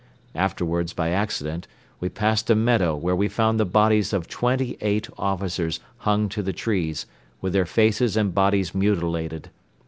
Afterwards by accident we passed a meadow where we found the bodies of twenty eight officers hung to the trees, with their faces and bodies mutilated.